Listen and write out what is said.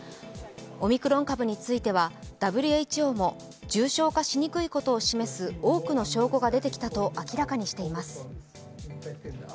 オミクロン株については、ＷＨＯも重症化しにくいことを示す多くの証拠が出てきたと明らかにしています。